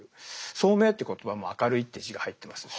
「聡明」って言葉も「明るい」って字が入ってますね。